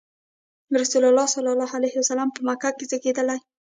رسول الله ﷺ په مکه کې زېږېدلی.